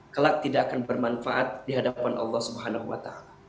kelak tidak akan bermanfaat dihadapan allah swt